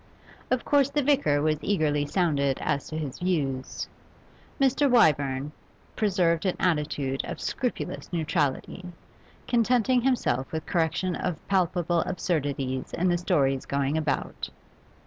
Of course the vicar was eagerly sounded as to his views. Mr. Wyvern preserved an attitude of scrupulous neutrality, contenting himself with correction of palpable absurdities in the stories going about.